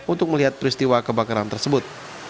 untuk melihat peristiwa kebakaran tersebut